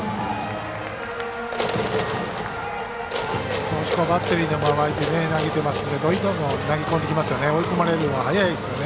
少しバッテリーの間合いで投げていますのでどんどん投げてきますよね。